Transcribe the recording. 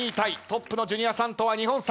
トップのジュニアさんとは２本差。